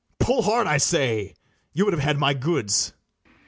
Pull hard, I say. You would have had my goods.